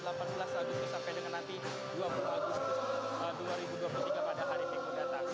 delapan belas agustus sampai dengan nanti dua puluh agustus dua ribu dua puluh tiga pada hari minggu mendatang